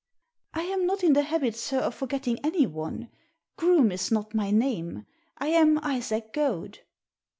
I am not in the habit, sir, of forgetting anyone. Groome is not my name. I am Isaac Goad."